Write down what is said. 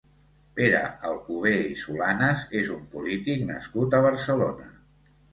Pere Alcober i Solanas és un polític nascut a Barcelona.